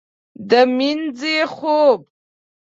د مینځې خوب